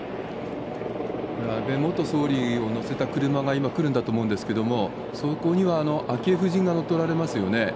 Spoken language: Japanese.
安倍元総理を乗せた車が今、来るんだと思うんですけれども、そこには昭恵夫人が乗っておられますよね。